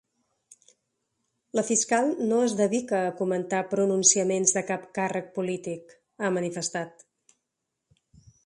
La fiscal no es dedica a comentar pronunciaments de cap càrrec polític, ha manifestat.